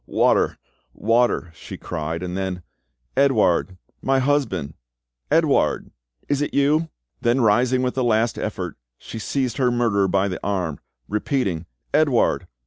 "Water! water!" she cried; and then, "Edouard,—my husband!—Edouard!—is it you?" Then rising with a last effort, she seized her murderer by the arm, repeating, "Edouard!